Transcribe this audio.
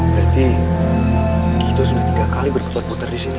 berarti kita sudah tiga kali berputar putar di sini